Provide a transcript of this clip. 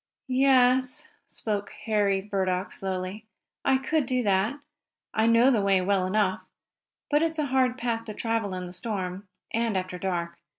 "Yes," spoke Henry Burdock, slowly, "I could do that. I know the way well enough. But it's a hard path to travel in the storm, and after dark.